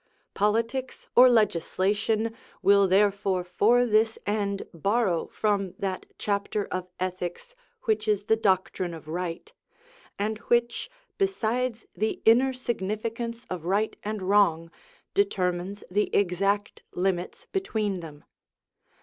Politics or legislation will therefore for this end borrow from that chapter of ethics which is the doctrine of right, and which, besides the inner significance of right and wrong, determines the exact limits between them.